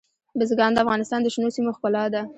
بزګان د افغانستان د شنو سیمو ښکلا ده.